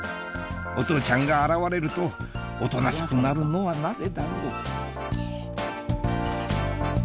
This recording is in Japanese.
お父ちゃんが現れるとおとなしくなるのはなぜだろう？